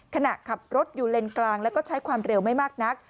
ขณะขับรถอยู่เลนกลางแล้วก็ใช้ความเร็วไม่มากนัก